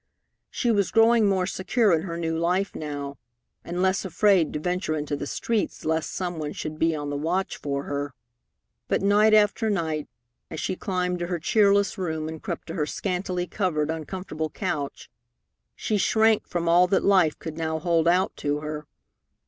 She was growing more secure in her new life now, and less afraid to venture into the streets lest some one should be on the watch for her. But night after night, as she climbed to her cheerless room and crept to her scantily covered, uncomfortable couch, she shrank from all that life could now hold out to her.